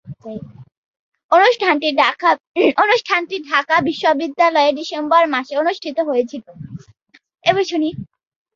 অনুষ্ঠানটি ঢাকা বিশ্ববিদ্যালয়ে ডিসেম্বর মাসে অনুষ্ঠিত হয়েছিলো।